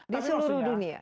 di seluruh dunia